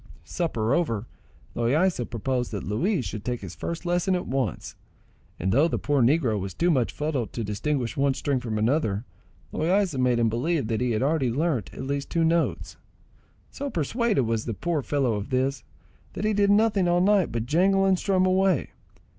Supper over, Loaysa proposed that Luis should take his first lesson at once; and though the poor negro was too much fuddled to distinguish one string from another, Loaysa made him believe that he had already learnt at least two notes. So persuaded was the poor fellow of this, that he did nothing all night but jangle and strum away.